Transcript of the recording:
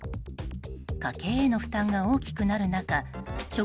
家計への負担が大きくなる中食